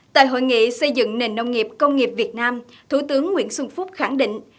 tại hội nghị xây dựng nền nông nghiệp công nghiệp việt nam thủ tướng nguyễn xuân phúc khẳng định